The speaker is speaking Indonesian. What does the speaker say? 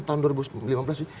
tahun dua ribu lima belas sih